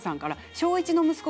小１の息子